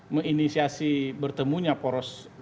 menginisiasi bertemunya poros